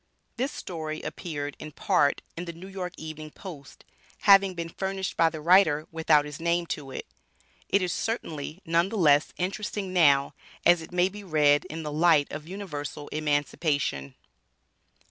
This story appeared in part in the N.Y. Evening Post, having been furnished by the writer, without his name to it. It is certainly none the less interesting now, as it may be read in the light of Universal Emancipation.